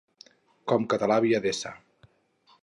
Com català havia d'ésser.